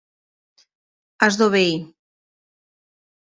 Has d'obeir.